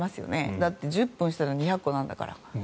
だって、１０分したら２００個なんだから。